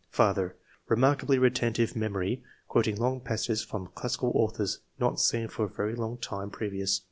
" Father — Kemarkably retentive memory ; quoted long passages from classical authors not seen for a very long time previous.